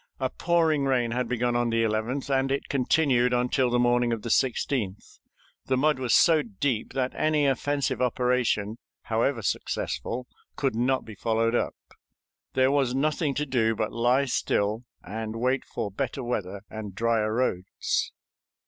A pouring rain had begun on the 11th, and it continued until the morning of the 16th; the mud was so deep that any offensive operation, however successful, could not be followed up. There was nothing to do but lie still and wait for better weather and drier roads.